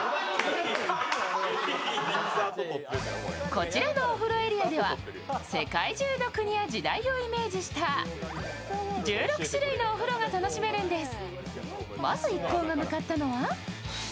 こちらのお風呂エリアでは世界中の国や時代をイメージした１６種類のお風呂が楽しめるんです。